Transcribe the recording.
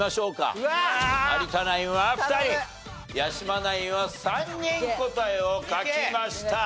有田ナインは２人八嶋ナインは３人答えを書きました。